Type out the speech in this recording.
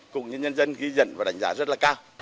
cùng nhân dân ghi nhận và đánh giá rất là cao